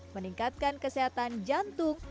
meningkatkan kesehatan jantung